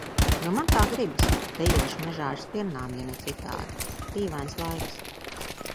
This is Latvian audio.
Jo man tā gribas. Dejošu mežā ar stirnām, ja ne citādi. Dīvains laiks.